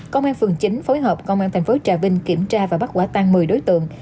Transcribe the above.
công an phường chín phối hợp công an thành phố trà vinh kiểm tra và bắt quả tan một mươi đối tượng